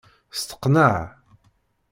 Steqneε!